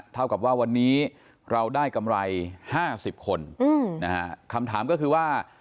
เท่ากับว่าวันนี้เราได้กำไร๕๐คนคำถามก็คือว่า